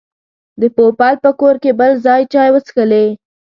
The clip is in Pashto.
د پوپل په کور کې بل ځل چای وڅښلې.